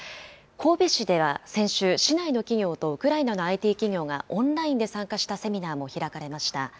神戸市では先週、市内の企業とウクライナのＩＴ企業がオンラインで参加したセミナーも開かれました。